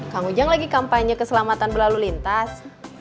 kang ujang lagi kampanye keselamatan berlalu lintas